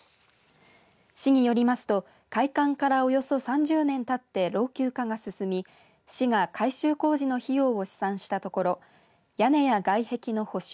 市によりますと開館からおよそ３０年たって老朽化が進み市が改修工事の費用を試算したところ屋根や外壁の補修